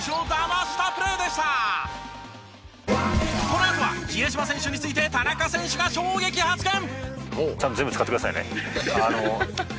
このあとは比江島選手について田中選手が衝撃発言！